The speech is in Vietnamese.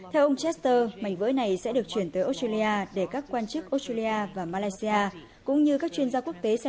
theo ông jester mảnh vỡ này sẽ được chuyển tới australia để các quan chức australia và malaysia cũng như các chuyên gia quốc tế xem